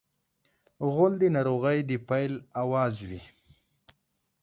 غول د ناروغۍ د پیل اواز وي.